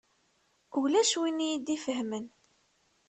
Ulac win i yi-d-ifehhmen.